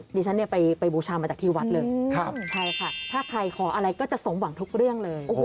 ดิฉันเนี่ยไปบูชามาจากที่วัดเลยใช่ค่ะถ้าใครขออะไรก็จะสมหวังทุกเรื่องเลย